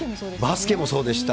バスケもそうでした。